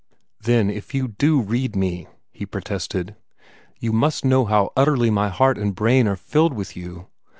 "Then if you do read me," he protested, "you must know how utterly my heart and brain are filled with you.